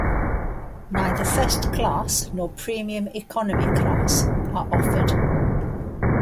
Neither First Class nor Premium Economy Class are offered.